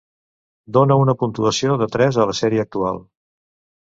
Dona una puntuació de tres a la sèrie actual.